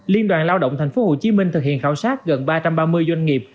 liên đoàn lao động tp hcm thực hiện khảo sát gần ba trăm ba mươi doanh nghiệp